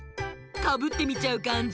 かぶってみちゃうかんじ？